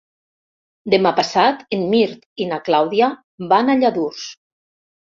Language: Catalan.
Demà passat en Mirt i na Clàudia van a Lladurs.